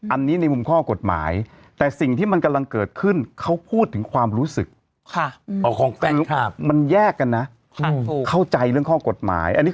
อันนี้ในมุมข้อกฎหมายแต่สิ่งที่มันกำลังเกิดขึ้นเขาพูดถึงความรู้สึกของแฟนยุคมันแยกกันนะเข้าใจเรื่องข้อกฎหมาย